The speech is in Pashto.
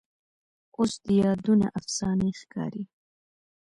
اوس دي یادونه افسانې ښکاري